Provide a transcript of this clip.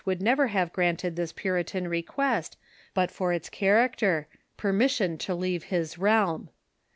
would never have granted this Puritan request but for its cliaracter '^Br^Coufnv — permission to leave his realm.